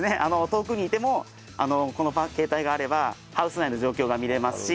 遠くにいてもこの携帯があればハウス内の状況が見れますし。